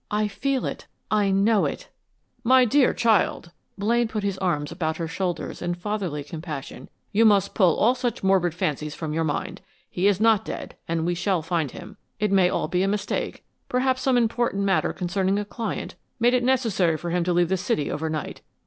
I feel it! I know it!" "My dear child!" Blaine put his hands upon her shoulders in fatherly compassion. "You must put all such morbid fancies from your mind. He is not dead and we shall find him. It may be all a mistake perhaps some important matter concerning a client made it necessary for him to leave the city over night."